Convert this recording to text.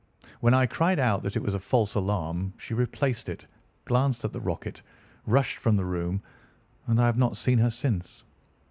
When I cried out that it was a false alarm, she replaced it, glanced at the rocket, rushed from the room, and I have not seen her since.